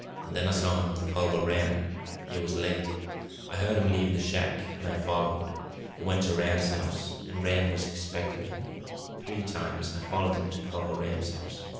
Then I saw him with Culver Rann. It was late. I heard 'im leave the shack, an' I followed. He went to Rann's house an' Rann was expecting him. Three times I followed him to Culver Rann's house.